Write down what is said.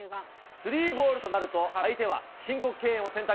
スリーボールとなると、相手は申告敬遠を選択。